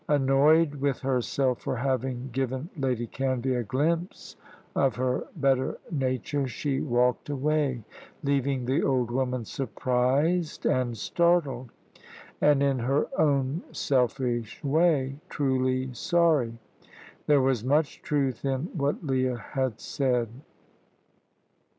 Annoyed with herself for having given Lady Canvey a glimpse of her better nature, she walked away, leaving the old woman surprised and startled, and, in her own selfish way, truly sorry. There was much truth in what Leah had said.